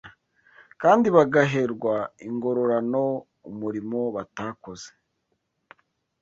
kandi bagaherwa ingororano umurimo batakoze